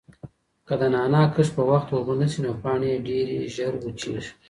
که د نعناع کښت په وخت اوبه نشي نو پاڼې یې ډېرې ژر وچیږي.